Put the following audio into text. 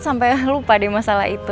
sampai lupa deh masalah itu